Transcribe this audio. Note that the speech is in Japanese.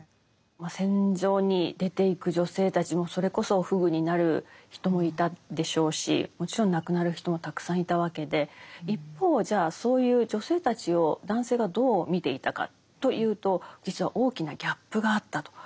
戦場に出ていく女性たちもそれこそ不具になる人もいたでしょうしもちろん亡くなる人もたくさんいたわけで一方じゃあそういう女性たちを男性がどう見ていたかというと実は大きなギャップがあったということが分かってきます。